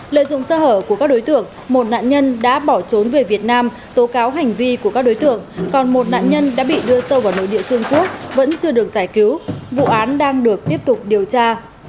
lợi dụng sơ hở của các đối tượng một nạn nhân đã bỏ trốn về việt nam tố cáo hành vi của các đối tượng còn một nạn nhân đã bị đưa sâu vào nội địa trung quốc vẫn chưa được giải cứu vụ án đang được tiếp tục điều tra